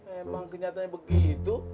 emang kenyataannya begitu